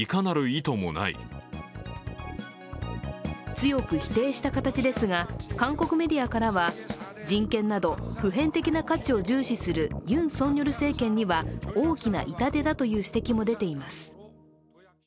強く否定した形ですが、韓国メディアからは人権など普遍的な価値を重視するユン・ソンニョル政権には大きな痛手だという指摘も出ています。